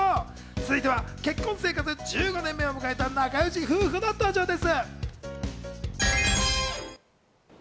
続いては結婚生活１５年目を迎えた仲良し夫婦の登場です。